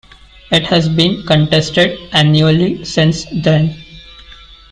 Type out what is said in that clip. It has been contested annually since then.